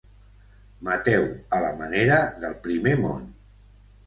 Mateu a la manera del primer món.